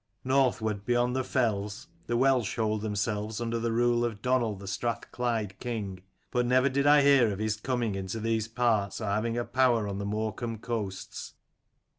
Northward beyond the fells the Welsh hold themselves under the rule of Donal the Strathclyde king: but never did I hear of his coming into these parts or having a power on Morecambe coasts.